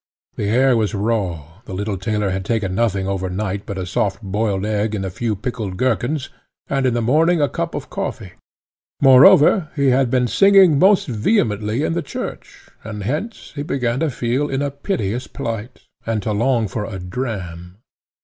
The air was raw, the little tailor had taken nothing over night but a soft boiled egg and a few pickled gerkins, and in the morning a cup of coffee. Moreover he had been singing most vehemently in the church, and hence he began to feel in a piteous plight, and to long for a dram.